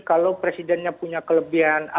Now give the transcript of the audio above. kalau presidennya punya kelebihan